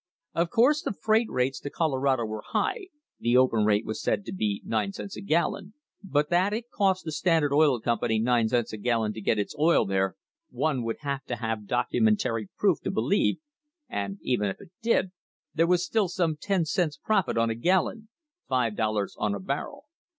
Of course the freight rates to Colorado were high, the open rate was said to be nine cents a gallon, but that it cost the Standard Oil Company nine cents a gallon to get its oil there, one would have to have documentary proof to believe, and, even if it did, there was still some ten cents profit on a gallon five dollars on a barrel.